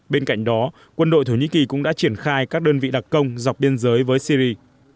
bên cạnh đó quân đội thổ nhĩ kỳ cũng đã triển khai các đơn vị đặc công dọc biên giới với syri